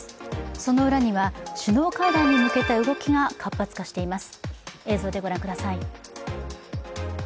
その裏には首脳会談に向けた動きが活発化しています。